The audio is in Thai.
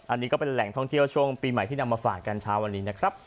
อันนี้ก็เป็นแหล่งท่องเที่ยวช่วงปีใหม่ที่นำมาฝากกันเช้าวันนี้นะครับ